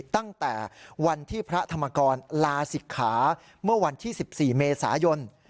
ตั้งแต่วันที่พระธรรมกรลาศิกขาเมื่อวันที่๑๔เมษายน